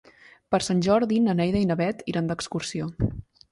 Per Sant Jordi na Neida i na Bet iran d'excursió.